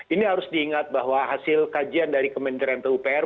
ini harus diingat bahwa hasil kajian dari kementerian pupr